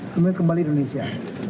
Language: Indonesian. kemudian kembali ke indonesia